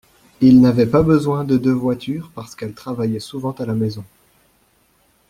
Ils n’avaient pas besoin de deux voitures parce qu’elle travaillait souvent à la maison.